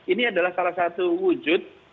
ini adalah salah satu wujud